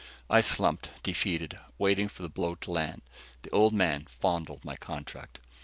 I slumped, defeated, waiting for the blow to land. The Old Man fondled my contract.